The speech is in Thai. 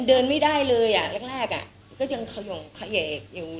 อันเดินไม่ได้เลยอะแรกอะก็ยังเขย่ออยู่อะไรอย่างงี้อื้อฮือ